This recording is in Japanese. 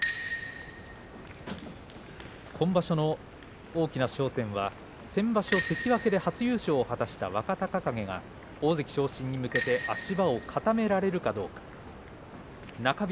今場所の大きな焦点は先場所、関脇で初優勝を果たした若隆景が大関昇進に向けて足場を固められるかどうかでした。